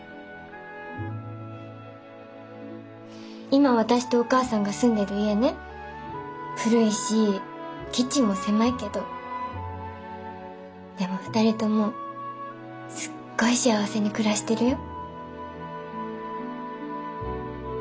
今私とお母さんが住んでる家ね古いしキッチンも狭いけどでも二人ともすっごい幸せに暮らしてるよ。